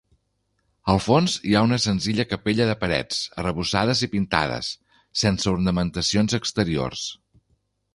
Al fons hi ha una senzilla capella de parets arrebossades i pintades, sense ornamentacions exteriors.